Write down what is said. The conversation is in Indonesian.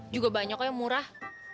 juga banyak yang murah